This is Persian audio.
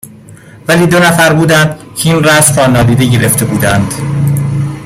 ولی دو نفر بودند که این رسم را نادیده گرفته بودند.